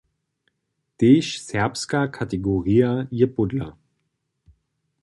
Tež serbska kategorija je pódla.